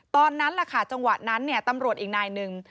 ตอนนั้นแหละค่ะจังหวะนั้นเนี่ยตำรวจอีกนายหนึ่ง